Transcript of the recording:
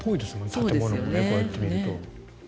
建物も、こうやって見ると。